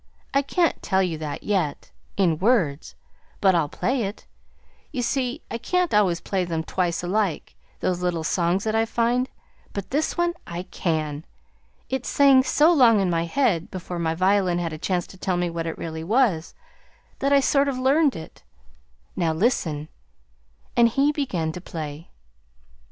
"I can't tell you that yet in words; but I'll play it. You see, I can't always play them twice alike, those little songs that I find, but this one I can. It sang so long in my head, before my violin had a chance to tell me what it really was, that I sort of learned it. Now, listen!" And he began to play.